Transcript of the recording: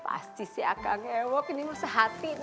pasti si akal ngewok ini masih hati